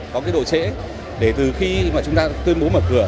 có độ trễ để từ khi chúng ta tuyên bố mở cửa